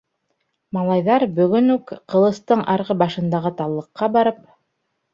Малайҙар бөгөн үк Ҡылыстың арғы башындағы таллыҡҡа барып